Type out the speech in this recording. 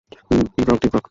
ডিভরক, ডিভরক।